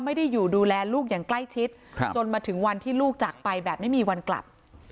ไม่ได้อยู่ดูแลลูกอย่างใกล้ชิดจนมาถึงวันที่ลูกจากไปแบบไม่มีวันกลับ